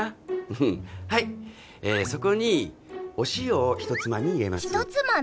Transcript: うんはいそこにお塩をひとつまみ入れますひとつまみ？